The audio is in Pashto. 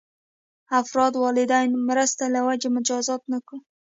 افراد والدینو مرسته له وجې مجازات نه کړو.